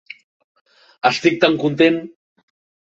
Estic tan content!